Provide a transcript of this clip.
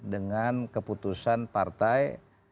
dengan keputusan partai